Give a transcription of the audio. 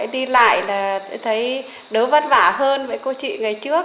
đi lại là tôi thấy đỡ vất vả hơn với cô chị ngày trước